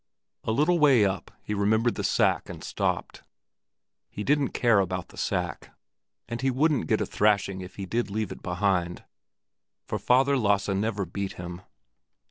A little way up he remembered the sack and stopped. He didn't care about the sack; and he wouldn't get a thrashing if he did leave it behind, for Father Lasse never beat him.